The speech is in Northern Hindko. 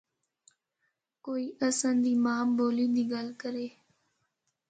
کوئی اساں دی ماں بولی دی گل کرے۔